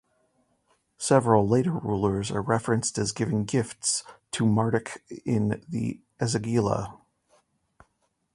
Several later rulers are referenced as giving gifts "to Marduk" in the Esagila.